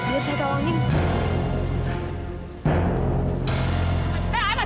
ya cepetan brun